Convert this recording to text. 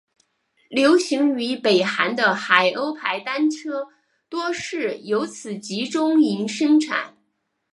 流行于北韩的海鸥牌单车多是由此集中营生产。